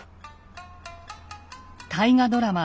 大河ドラマ